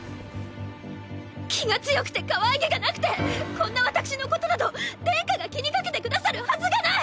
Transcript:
気が強くてかわいげがなくてこんな私のことなど殿下が気にかけてくださるはずがない！